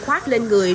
khoát lên người